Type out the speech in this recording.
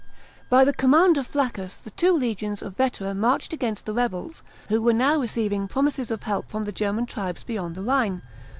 By the command of Flaccns, the two legions of Vetera marched against the rebels, who were now receiving promises of help from the German tribes beyond the Rhine.